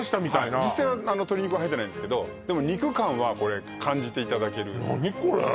はい実際は鶏肉は入ってないんですけどでも肉感は感じていただける何これ？